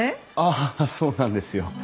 ああそうなんですよ。